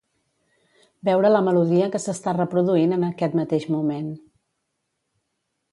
Veure la melodia que s'està reproduint en aquest mateix moment.